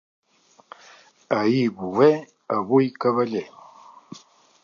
Ahir bover, avui cavaller.